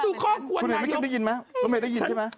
ผู้เห็นเหมือนกันได้ยินไหมไม่ได้ยินใช่ไหม